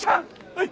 はい。